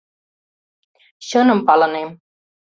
— Чыным палынем.